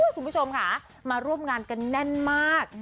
คุณผู้ชมค่ะมาร่วมงานกันแน่นมาก